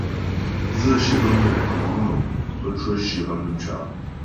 Dzə̌shyə bə́ mə̌ wǔ nɔm, bə́ cwə shyə bâ dəm cǎ'.